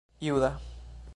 juda